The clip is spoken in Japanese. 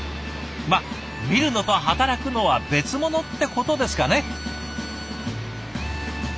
まあ見るのと働くのは別物ってことですかね？